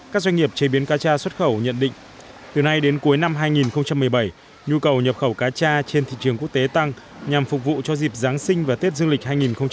các doanh nghiệp chế biến cá cha xuất khẩu nhận định từ nay đến cuối năm hai nghìn một mươi bảy nhu cầu nhập khẩu cá cha trên thị trường quốc tế tăng nhằm phục vụ cho dịp giáng sinh và tết dương lịch hai nghìn một mươi chín